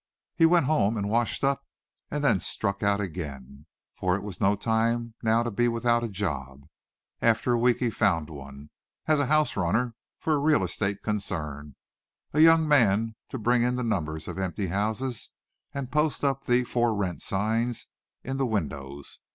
He went home and washed up, and then struck out again, for it was no time now to be without a job. After a week he found one, as a house runner for a real estate concern, a young man to bring in the numbers of empty houses and post up the "For Rent" signs in the windows.